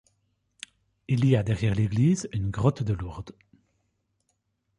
Il y a derrière l'église une grotte de Lourdes.